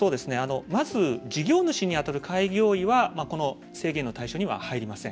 まず事業主に当たる開業医はこの制限の対象には入りません。